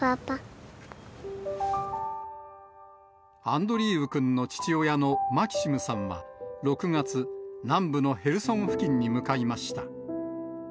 アンドリーウくんの父親のマキシムさんは、６月、南部のヘルソン付近に向かいました。